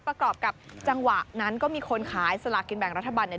ประกอบกับจังหวะนั้นก็มีคนขายสลากกินแบ่งรัฐบาลเนี่ย